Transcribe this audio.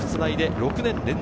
３年連続